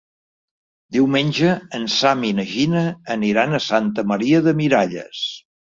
Diumenge en Sam i na Gina aniran a Santa Maria de Miralles.